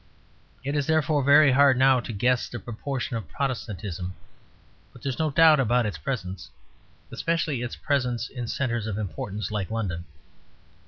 It is, therefore, very hard now to guess the proportion of Protestantism; but there is no doubt about its presence, especially its presence in centres of importance like London.